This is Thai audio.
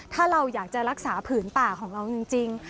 ถ้าเราอยากจะรักษาผืนป่าของเราจริง